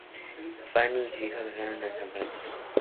Fanny y su hija viajaron a San Francisco.